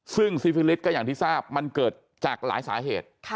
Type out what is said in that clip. ซึ่งซิฟิลิสก็อย่างที่ทราบมันเกิดจากหลายสาเหตุ